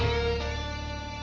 orang orang lain menyebut kami preman